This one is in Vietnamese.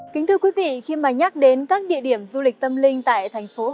kính thưa quý vị khi mà nhắc đến các địa điểm du lịch tâm linh tại thành phố hồ chí minh